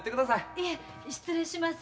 いえ失礼します。